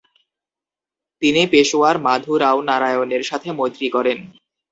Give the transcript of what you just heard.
তিনি পেশওয়ার মাধু রাও নারায়ণের সাথে মৈত্রী করেন।